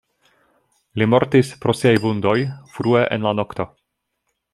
Li mortis pro siaj vundoj frue en la nokto.